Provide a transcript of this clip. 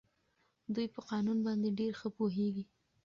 دوی په قانون باندې ډېر ښه پوهېږي.